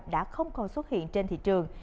đã không còn xuất hiện trên thị trường